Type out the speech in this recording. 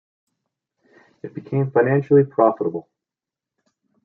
It became financially profitable.